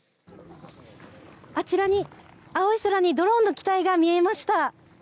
あちらに、青い空にドローンの機体が見えました。